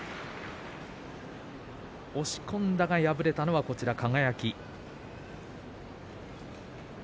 押し込んだが敗れたのは輝。